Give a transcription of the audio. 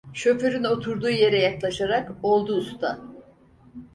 Şoförün oturduğu yere yaklaşarak: "Oldu usta!"